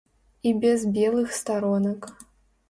І без белых старонак.